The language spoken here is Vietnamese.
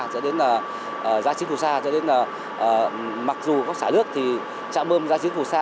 cho đến là gia chiến phù sa cho đến là mặc dù có xã nước thì trạm bơm gia chiến phù sa